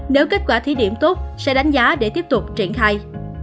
nếu kết quả thí điểm tốt sẽ đánh giá để tiếp tục triển khai